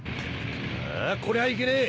あこりゃいけねえ！